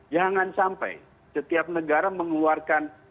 jangan sampai setiap negara mengeluarkan